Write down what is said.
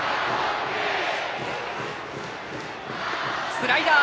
スライダー！